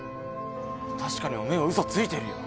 確かにおめえは嘘ついてるよ。